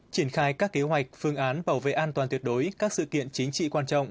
triển khai các kế hoạch phương án bảo vệ an toàn tuyệt đối các sự kiện chính trị quan trọng